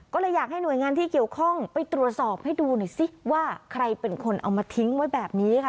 ก็เลยอยากให้หน่วยงานที่เกี่ยวข้องไปตรวจสอบให้ดูหน่อยซิว่าใครเป็นคนเอามาทิ้งไว้แบบนี้ค่ะ